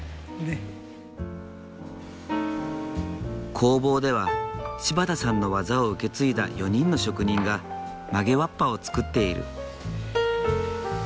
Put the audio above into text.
工房では柴田さんの技を受け継いだ４人の職人が曲げわっぱを作っている。